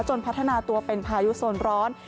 พัฒนาตัวเป็นพายุโซนร้อน